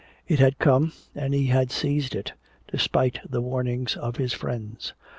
It had come and he had seized it, despite the warnings of his friends.